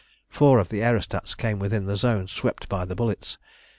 Four of the aerostats came within the zone swept by the bullets.